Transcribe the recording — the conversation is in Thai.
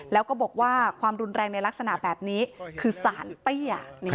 แล้วก็บอกว่าความรุนแรงในลักษณะแบบนี้คือสารเตี้ย